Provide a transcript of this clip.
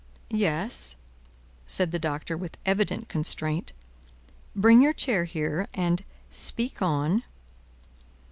"Yes?" said the Doctor, with evident constraint. "Bring your chair here, and speak on."